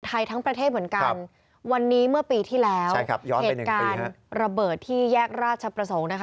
ทั้งประเทศเหมือนกันวันนี้เมื่อปีที่แล้วเหตุการณ์ระเบิดที่แยกราชประสงค์นะคะ